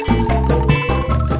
proven saya gak penuh itu